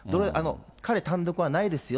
彼単独はないですよ。